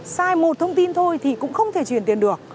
sai một thông tin thôi thì cũng không thể truyền tiền được